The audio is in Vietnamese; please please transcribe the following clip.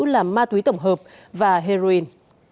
là ma túy tổng hợp và heroin